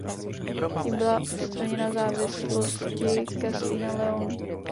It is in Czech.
Tím byla odstraněna závislosti Kastilie na Leónu.